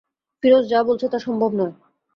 ফিরোজ যা বলছে তা সম্ভব নয়।